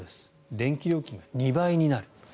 電気料金が２倍になる。